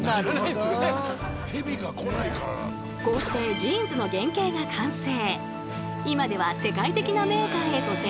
こうしてジーンズの原型が完成。